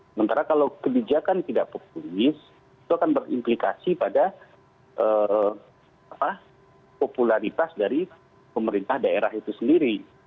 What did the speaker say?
sementara kalau kebijakan tidak populis itu akan berimplikasi pada popularitas dari pemerintah daerah itu sendiri